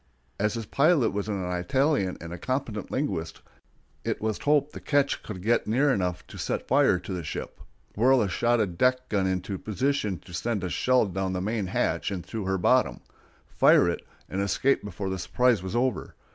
As his pilot was an Italian and a competent linguist, it was hoped the ketch could get near enough to set fire to the ship, whirl a shotted deck gun into position to send a shell down the main hatch and through her bottom, fire it, and escape before the surprise was over.